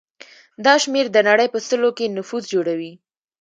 دا شمېر د نړۍ په سلو کې نفوس جوړوي.